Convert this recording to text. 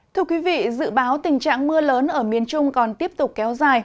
thưa quý vị dự báo tình trạng mưa lớn ở miền trung còn tiếp tục kéo dài